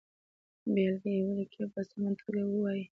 بېلګه یې ولیکئ او په سمه توګه یې ووایئ.